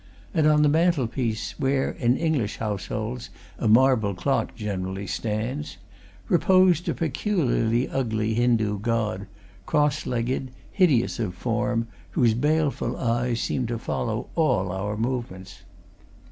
And on the mantelpiece, where, in English households, a marble clock generally stands, reposed a peculiarly ugly Hindu god, cross legged, hideous of form, whose baleful eyes seemed to follow all our movements.